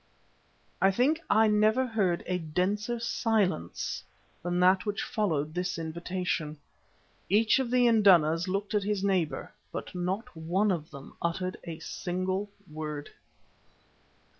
I think I never heard a denser silence than that which followed this invitation. Each of the indunas looked at his neighbour, but not one of them uttered a single word.